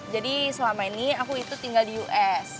jadi selama ini aku itu tinggal di us